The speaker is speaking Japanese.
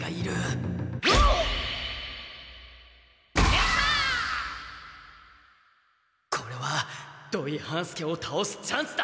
心の声これは土井半助をたおすチャンスだ！